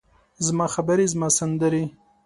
زما خبرې، زما سندرې،